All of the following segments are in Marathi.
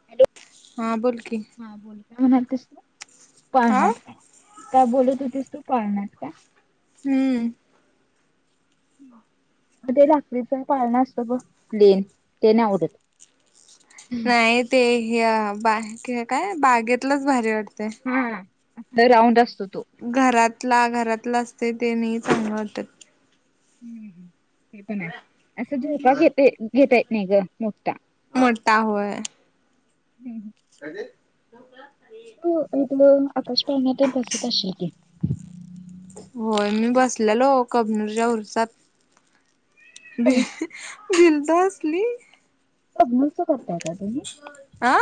हॅलो! हा बोल की. हा बोल काय म्हणालतीस तू पाळण्यात काय बोलत होतीस तू पाळण्यात काय? हूं! म ते लाखरीचा पाळना असतो बग लेन ते नाही आवडत. [inaudible] नाही ते हे बा काय बागेतलंच भारी वाटतय. हा हा ते राऊंड असतो तो. घरातला घरातला असते ते नाही चांगलं वाटत. हम्म हम्म [unintelligible] हे पण आहे असं झोका घेता घेता येत नाही ग मोठा. मोठा हम् ह काय ते तु एक लावुन आकाश पाळण्यातच बसत असशील की. होय मी बसलेलो आहो कबनूरच्या उरसात मी हो. [unintelligible] हसली. कबनूरच करताय का तुम्ही, अ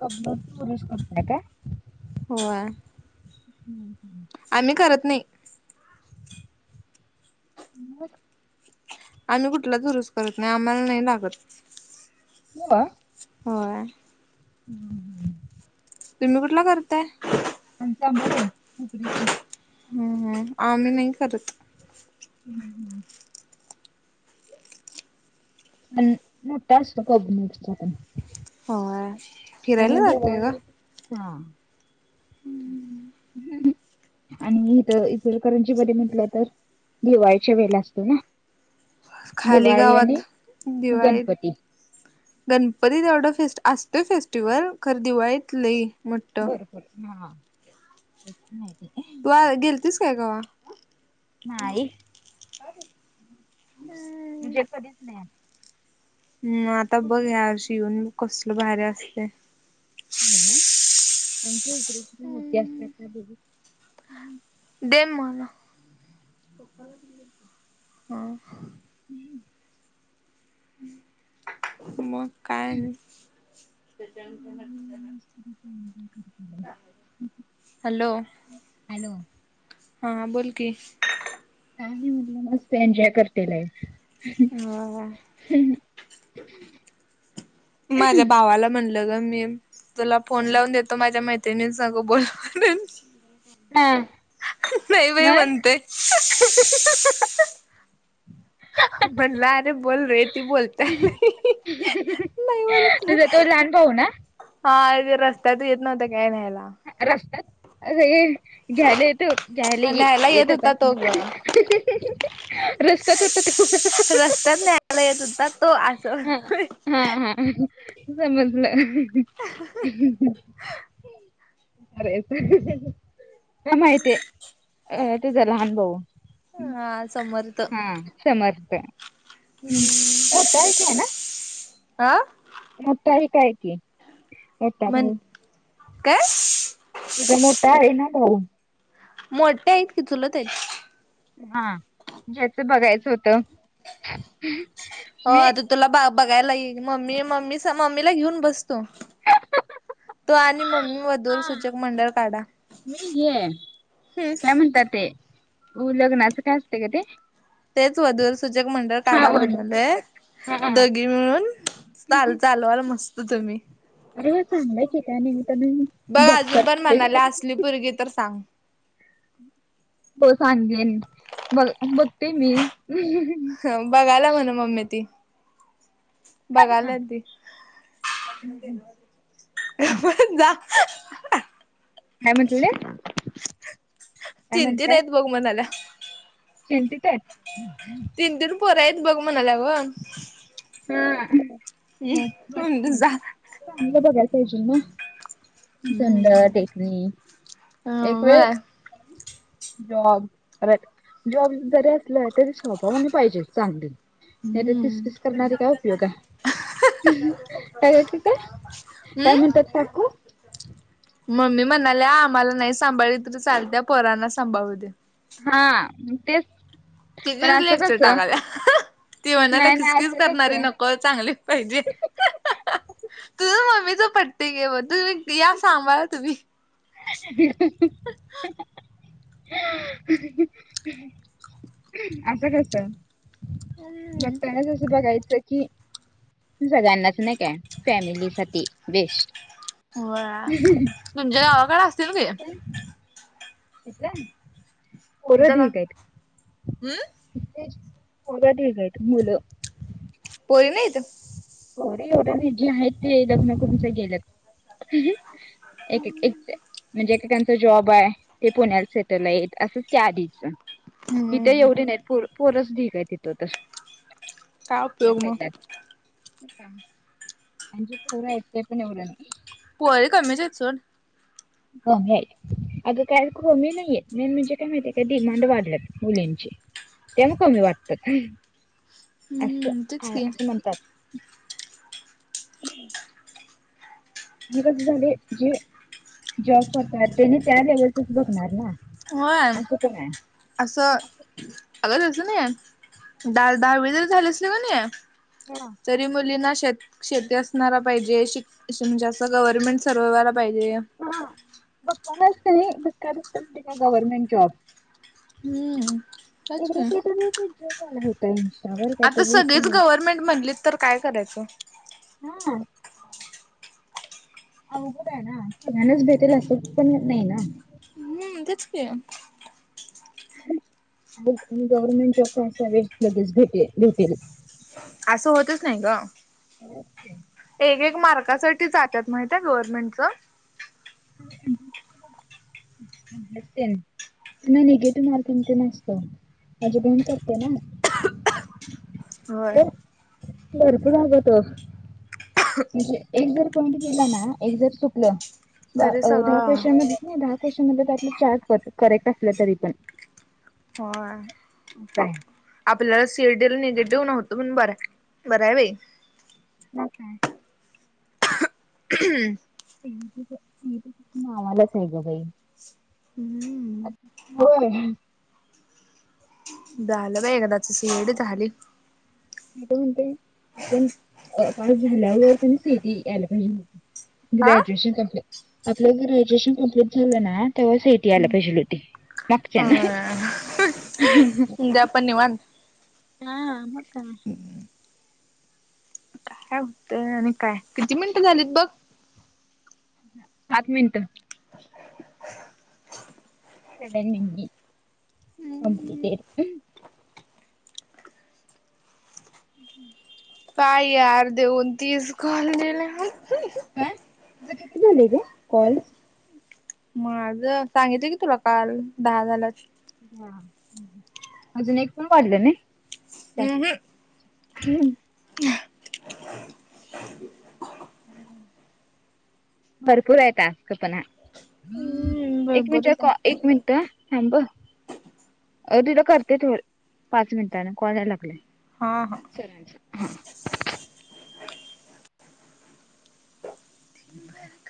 कबनूर ऊरुस करताय काय. व्हय. हम्म हम्. [unintelligible] आम्ही करत नाही. म. [unintelligible] आम्ही कुठलाच ऊरुस करत नाही आम्हाला नाही लागत. हो. [unintelligible] होय. हम्म. [unintelligible] तुम्ही कुठला करताय. आमचं अंबाबाई हुपरीची. ह आम्ही नाही करत. हम् हम्. [unintelligible] हा मोठा असतो कबनूर चा पण. व्हय आणि फिरायला जातोय दिवाळी ग. हा. [unintelligible] आणि इथं इचलकरंजी मध्ये म्हटलं तर दिवाळीच्या वेळेला असतो ना खाली दिवाळी आणि गावात दिवाळीत गणपती गणपतीत ऑर्डर फेस्ट असतेच फेस्टिवल खरं दिवाळीत लई मोठं. बर बर हा. [unintelligible] काल गेलतीस का गावा नाही. म्हणजे कधीच नाही. [unintelligible] मग आता बघ हुपरीत या असते वर्षी येऊन कसलं भारी असतयं. हो ना आमची हुपरीचीपन मोठी असत्या ना बघू. दे मला [unintelligible] ह. हम्म. मग काय आणि. [inaudible] हॅलो. [inaudible] हॅलो. हा हा बोल की. काय नाही मस्त एन्जॉय करते लाईफ. हा हा हम्म. [unintelligible] माझ्या भावाला म्हणलं ग मी, तुला फोन लावून दे तू माझ्या मैत्रिणीला सांगू बोल म्हणून हा नाहीं बाई मग म्हणतंय. म्हणलं अरे बोलं रे ती बोलत्यां. तुझां तो लहांन भाऊ नां. हां रस्त्यांत येतं नव्हतां कायं न्यांयला. रस्त्यांत अं घ्यांयला येतो. द्यांयला न्यायला येत होता येतांत तो ग. मं रस्तां तुंट ते उत्र न्यांयालयेतं होतां तो हा हा असो समजलं कायं रं हं माहिती आहे अं तुझां लहांन भाऊ हां समोर हां समर्थ मोठयांचय नां आं मोठां एक हांय की मोठां म्हण भाऊ काय तुझं मोठा. कायं आहे नां मगं मोठे आहेतं की चुलंत आहेतं. हां ज्याचं बघांयचं होतं मी. तुलां बघांयला येईल मम्मी मम्मी मम्मीलां घेऊन बसतो तो आणि मम्मी हा मधूंर मी घेयं हम्म. कायं म्हणतांत ते लग्नाचं कायं असते कां ते तेचं वधूंर सूंचक मंडळ हा काढां वडील म्हणलयं शिक्षक. हा दगी म्हळूंन चाल चालवांल मस्तं तुम्हीं अरे मं चांगलंय की त्यां निमित्तानं बघतांत तुझी पोरंगी आहे तरं सांग हो सांगेन बं बघते मी हं बघांला म्हंण मम्मी ती बघांना लांती हं हां हां हं जां कायं म्हटले तिनं तीनं आहेतं बघं म्हणाल्यां तीनं तीनं तरं आहेचं तीनं तीनं पोरं आहेतं बघं म्हणाल्यां गं हम्मं म्हं जां हां निलं बघंयसयेत नां सुंदर टकणी अ एक व्हय वेळंस जॉबर जॉब जरी असलं तरी सोप्या म्हं पाहिजे चांगली नाहीं तरं तीस हम्म पीस करणारे कायं उपयोग आहे हे एमनटकू त्यां हम्म म्हणतांत कांकू मम्मी म्हणाले आम्हांला नाहीं सांभाळली तरी चालत्यां पोरांना सांभाळू दे हां तेचं तिथेच लेक्चंर टाकांल्या ती म्हणालं नाही नाही किसकीस असं करणारी कसं नोकदं चांगली पाहिजे हं हं हं तुझं मम्मीचं पट्टेके बरं तुम्हीं यां सांभाळा तुम्हीं हं हां हां हं हं असं कस बघतानाचसं बघायचंय कि सळ्यांनाच नाही काय फॅमिली सा बेस्ट हो तुमच्या गावाकडे असतील की? येतय समज का हम् पोरं ठीक आहेत मुलं. पोरी नाहीत? पोरी एवढ्या नाहीत जे आहेत ते लग्न करून गेल्यात. एक एक म्हणजे एकएकांचा जॉब आहे. ते पुण्यात सेटल आहेते असंच त्या आधीच इथे हम्म एवढ य पो पोरच बिग आहे इथं तर काय उपयोग मग. का अज परा येत पण नव पोर कमीच आहे सोड. कमी आहे अगं काय कमी नाहीये मेन म्हणजे काय माहितीय का डिमांड वाढलंत. मुलींची तेव कमी वाटत अस हम्म तेच की असं म्हणतात आणि कस झाले जे जॉब करतात तेनी त्या लेवलच बघणार ना वय. असं पण आहे असं अगचलं ना दहा दहावी तरी झाले असल की नाही हा तरी मुलींना शेत शेती असणारा पाहिजे शिक म्हणजे असं गव्हर्नमेंट सरवाला पाहिजे हा भक्कसत भक्का बसत ग्हर्नमेंट जॉब हम्म तेच एक की र तुम्ही जो भताय आता सगळीच गव्हर्नमेंट म्हणली तर काय करायचं. हा अवघड आहे ना सळ्यांनाच भेटेल असं पण नाही ना हम्म तेच की. गव्हर्नमेंट जॉब का सवे लगेच भेटे भेटेल असं होतच नाही ग. होे एक एक मार्कासाठी जातात माहित आहे गव्हर्नमेंटच [inaudible] ते ना निेगेटिव्ह मार्किंग च नसत माझी बहीण करते ना होय. तर भरपूर [unintelligible] म्हणजे एक जर पईंट गेला ना एक जर चूकलं तरी दहा सगळं क्स्शन नाही दहा कस्शन मधे त्यातलं चार करेक्ट असलं तरी पण होय हौकाय? आपल्याला सीएडीएल निगेटिव्ह नव्हतो पण बर बर बाई मग काय [unintelligible] नावालाच आहे ग बाई. हम्म होय झालं बाई एखदाच सी ई टी झाली मी काय म्हणते आपण पास अ झाल्यावर त्यां सीईटी यायला पाहिजे हा ग्रॅज्युएशन कंप्लीट, आपलं जर ग्रॅज्युएशन कंप्लीट झालं ना तेव्हा सी ई टी याला पाहिजे होती. मगच्यांना द्या पण निवांत हा मग काय काय होतं आणि काय, किती मिनिटं झालीत बघ? आठ मिनिटं [inaudible] [unintelligible] [unintelligible] काय यार देऊन तीस कॉल दिले अग ते किती झाले ग? कॉल्स माझ सांगितितय की तुला काल दहा झाला अजून एक पण वाढलं नाहीत हम्म हम्म [unintelligible] भरपूर आहे पण हम्म एक मिनिट बरोबरच कॉ आहे एक मिनिट हम्म थांब अ दिदु करते थ पाच मिनिटांने कॉल याला लागलय हा हां सरांच हा [unintelligible]